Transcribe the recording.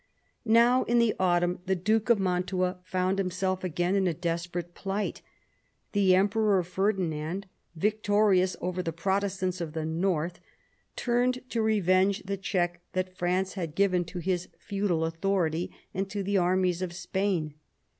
Now, in the autumn, the Duke of Mantua found him self again in a desperate plight. The Emperor Ferdinand, victorious over the Protestants of the north, turned to revenge the check that France had given to his feudal 202 CARDINAL DE RICHELIEU authority and to the armies of Spain.